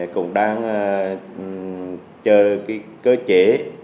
cũng đang chờ cái cơ chế